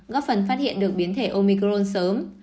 góp phần phát hiện được biến thể omicron sớm